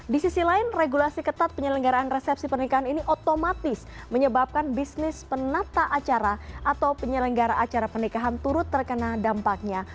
di sisi lain regulasi ketat penyelenggaraan resepsi pernikahan ini otomatis menyebabkan bisnis penata acara atau penyelenggara acara pernikahan turut terkena dampaknya